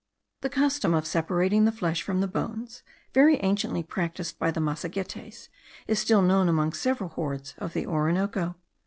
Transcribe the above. The custom of separating the flesh from the bones, very anciently practised by the Massagetes, is still known among several hordes of the Orinoco.